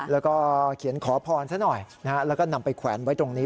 แล้วก็เขียนขอพรซะหน่อยนะฮะแล้วก็นำไปแขวนไว้ตรงนี้